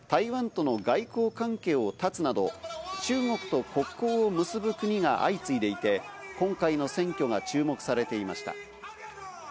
中南米では今年３月にもホンジュラスが台湾との外交関係を絶つなど、中国と国交を結ぶ国が相次いでいて、今回の選挙が注目されていました。